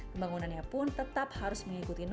kembangunannya pun tetap berdiri dalam keuntungan pendidikan